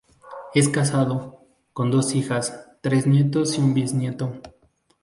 Es casado, con dos hijas, tres nietos y un biznieto.